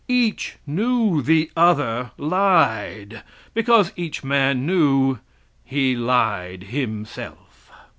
Each knew the other lied, because each man knew he lied himself.